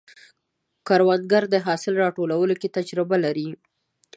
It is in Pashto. کروندګر د حاصل راټولولو کې تجربه لري